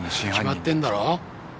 決まってんだろ！